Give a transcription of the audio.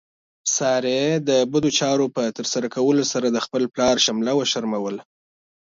سارې د بدو چارو په ترسره کولو سره د خپل پلار شمله وشرموله.